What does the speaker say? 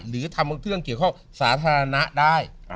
หรือทำบังเทื่องเกี่ยวกับสาธารณะได้